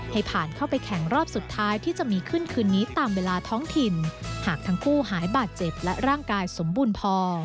ให้ผ่านเข้าไปแข่งรอบสุดท้ายที่จะมีขึ้นคืนนี้ตามเวลาท้องถิ่นหากทั้งคู่หายบาดเจ็บและร่างกายสมบูรณ์พอ